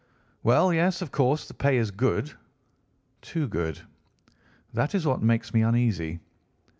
"Well, yes, of course the pay is good—too good. That is what makes me uneasy.